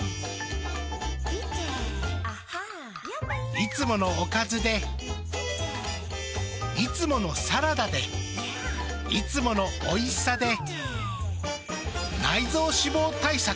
いつものおかずでいつものサラダでいつものおいしさで内臓脂肪対策。